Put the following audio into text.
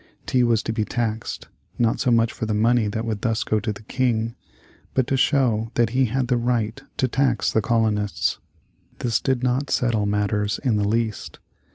Tea was to be taxed, not so much for the money that would thus go to the King, but to show that he had the right to tax the colonists. This did not settle matters in the least.